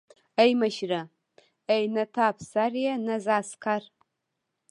ای مشره ای نه ته افسر يې نه زه عسکر.